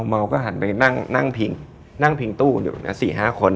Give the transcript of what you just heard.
เมาก็หันไปนั่งพิงนั่งพิงตู้อยู่นะ๔๕คน